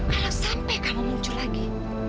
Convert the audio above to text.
kalau sampai kamu muncul lagi